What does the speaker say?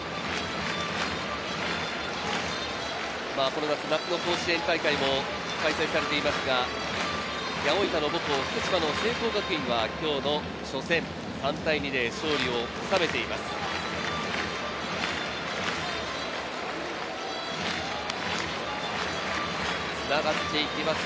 この夏、夏の甲子園大会も開催されていますが、八百板の母校、聖光学院は福島、初戦勝利を収めています。